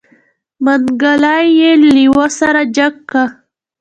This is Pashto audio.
منګلی يې لېوه سره جګ که.